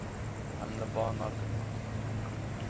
Em li ba nakin.